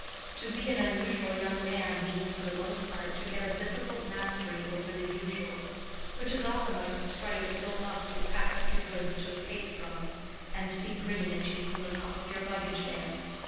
To be an unusual young man means for the most part to get a difficult mastery over the usual, which is often like the sprite of ill luck you pack up your goods to escape from, and see grinning at you from the top of your luggage van.